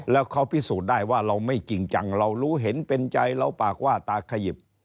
แล้วเขาพิสูจน์ได้ว่าเราไม่จริงจังเรารู้เห็นเป็นใจเราปากว่าตาขยิบ